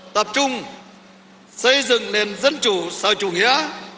tập trung xây dựng nền dân chủ sau chủ nghĩa